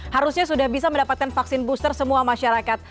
harusnya sudah bisa mendapatkan vaksin booster semua masyarakat